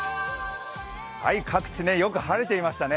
各地、よく晴れていましたね